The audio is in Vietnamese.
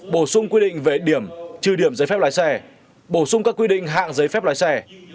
bổ sung quy định về điểm trừ điểm giấy phép lái xe bổ sung các quy định hạng giấy phép lái xe